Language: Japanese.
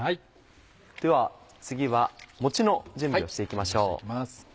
では次はもちの準備をしていきましょう。